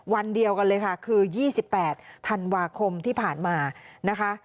วันเดียวกันเลยค่ะคือ๒๘ธันวาคมที่ผ่านมานะคะ